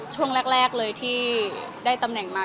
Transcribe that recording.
ช่วงแรกเลยที่ได้ตำแหน่งมา